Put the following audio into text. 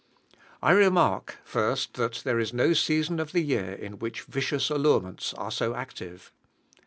_ I remark, first, that there is no season of the year in which vicious allurements are so active.